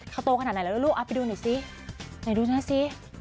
เขาโตขนาดไหนแล้วลูกไปดูหน่อยซิหน่อยดูหน่อยซิ